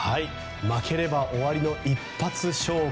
負ければ終わりの一発勝負。